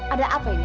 ada apa ini